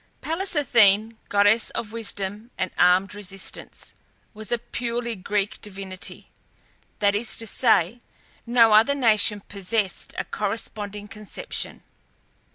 Pallas Athene, goddess of Wisdom and Armed Resistance, was a purely Greek divinity; that is to say, no other nation possessed a corresponding conception.